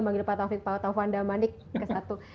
manggil pak taufik pak taufan dan mandi ke satu